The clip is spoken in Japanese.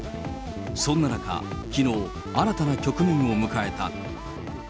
そんな中、きのう、新たな局面を迎えた。